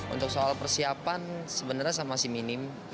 untuk soal persiapan sebenarnya masih minim